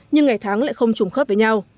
nhưng ngày tháng lại không trùng khớp với nhau